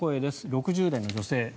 ６０代の女性。